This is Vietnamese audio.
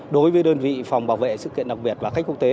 đối với đơn vị phòng bảo vệ sự kiện đặc biệt là khách quốc tế